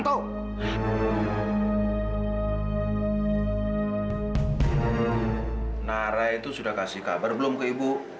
apa nara sudah memberi kabar kepada ibu